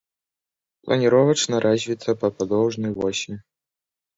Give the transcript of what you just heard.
Планіровачна развіта па падоўжнай восі.